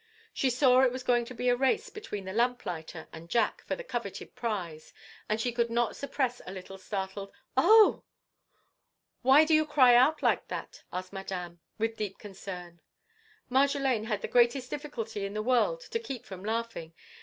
She saw it was going to be a race between the lamplighter and Jack for the coveted prize, and she could not suppress a little startled "Oh!" "Why do you cry out like that?" asked Madame, with deep concern. Marjolaine had the greatest difficulty in the world to keep from laughing.